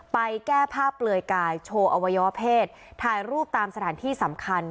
แก้ภาพเปลือยกายโชว์อวัยวะเพศถ่ายรูปตามสถานที่สำคัญ